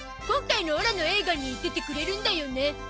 今回のオラの映画に出てくれるんだよね？